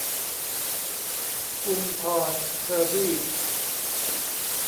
กุลธรเคอร์บี้